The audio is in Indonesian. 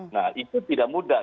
nah itu tidak mudah